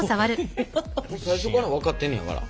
最初から分かってんねやから。